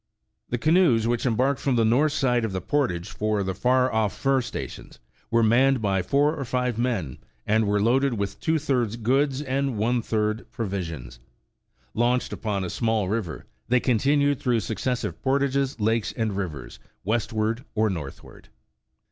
The canoes which embarked from the north side of the portage for the far off fur stations, were manned by four or five men, and were loaded with two thirds goods and one third provisions. Launched upon a small river, they continued through successive portages, lakes and rivers, westward or northward.